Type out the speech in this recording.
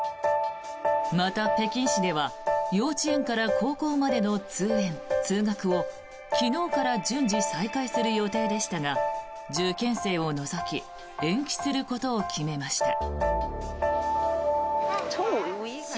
また、北京市では幼稚園から高校までの通園・通学を昨日から順次再開する予定でしたが受験生を除き延期することを決めました。